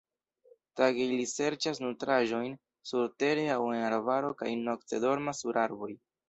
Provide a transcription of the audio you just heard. Tage ili serĉas nutraĵojn surtere aŭ en arbaro kaj nokte dormas sur arboj.